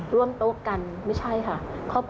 ร่วมโต๊ะกันไม่ใช่ค่ะ